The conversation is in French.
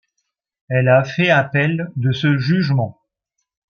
Elle a fait appel de ce jugement.